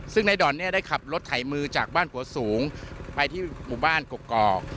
ซึ่งในด่อนเนี่ยได้ขับรถไถมือจากบ้านผัวสูงไปที่หมู่บ้านกกอก